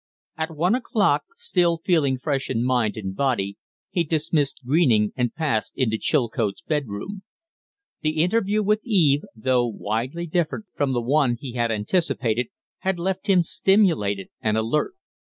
At one o'clock, still feeling fresh in mind and body, he dismissed Greening and passed into Chilcote's bedroom. The interview with Eve, though widely different from the one he had anticipated, had left him stimulated and alert.